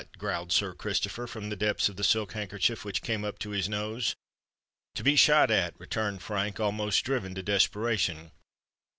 growled Sir Christopher from the depths of the silk handkerchief which came up to his nose. "To be shot at!" returned Frank, almost driven to desperation.